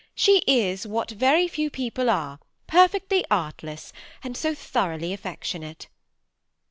She is, what very few people are, perfectly artless, and so thoroughly affectionate."